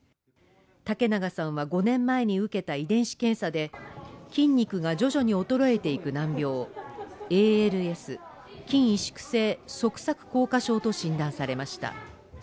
竹永さんは５年前に受けた遺伝子検査で筋肉が徐々に衰えていく難病、ＡＬＳ＝筋萎縮性側索硬化症と診断されました。